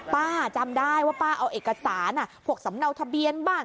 ป้าจำได้ว่าป้าเอาเอกสารพวกสำเนาทะเบียนบ้าง